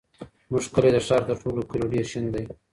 زموږ کلی د ښار تر ټولو کلیو ډېر شین دی.